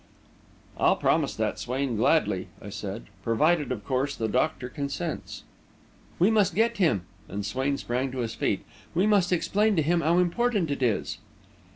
"I'll promise that, Swain, gladly," I said, "provided, of course, the doctor consents." "We must get him," and Swain sprang to his feet. "We must explain to him how important it is."